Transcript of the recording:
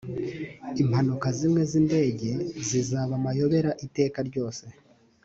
impanuka zimwe z’indege zazaba amayobera iteka ryose